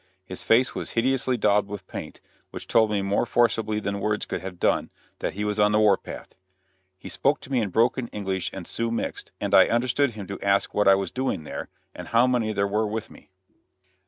His face was hideously daubed with paint, which told me more forcibly than words could have done that he was on the war path. He spoke to me in broken English and Sioux mixed, and I understood him to ask what I was doing there, and how many there were with me.